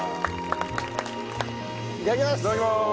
いただきます！